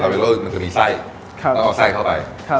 ลาเวลลี่มันก็มีไส้ต้องเอาไส้เข้าไป